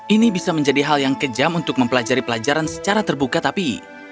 ini bisa menjadi hal yang kejam untuk mempelajari pelajaran secara terbuka tapi